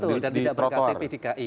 betul dan tidak berktp dki